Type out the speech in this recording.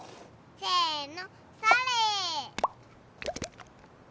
せの！